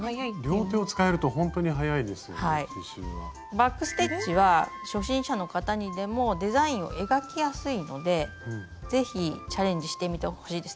バック・ステッチは初心者の方にでもデザインを描きやすいので是非チャレンジしてみてほしいです。